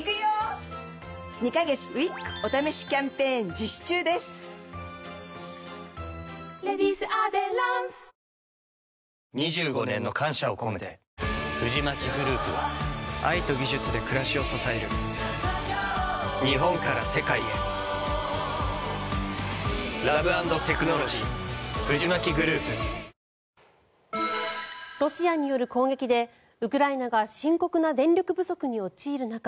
地元当局者によりますとロシアによる攻撃でウクライナが深刻な電力不足に陥る中